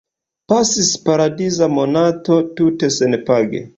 Pasis paradiza monato, tute senpage...